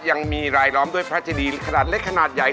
ยังมีรายล้อมด้วยพระเจดีขนาดเล็กขนาดใหญ่